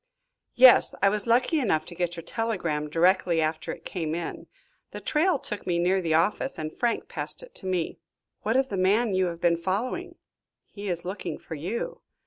"Yes, I was lucky enough to get your telegram directly after it came in. The trail took me near the office and Frank passed it to me." "What of the man you have been following?" "He is looking for you."